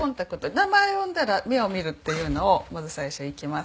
名前を呼んだら目を見るっていうのをまず最初いきます。